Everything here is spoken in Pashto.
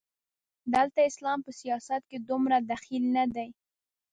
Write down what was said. دلته اسلام په سیاست کې دومره دخیل نه دی.